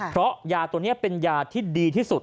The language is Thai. เพราะยาตัวนี้เป็นยาที่ดีที่สุด